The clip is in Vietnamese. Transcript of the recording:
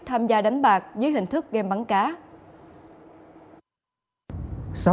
tham gia đánh bạc dưới hình thức gam bắn cá